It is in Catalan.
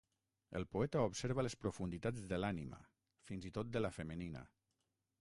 El poeta observa les profunditats de l'ànima, fins i tot de la femenina.